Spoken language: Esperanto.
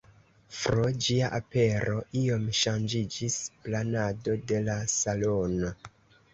Pro ĝia apero iom ŝanĝiĝis planado de la salono.